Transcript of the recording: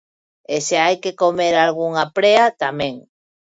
E se hai que comer algunha prea, tamén.